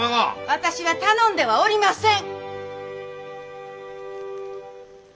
私は頼んではおりません！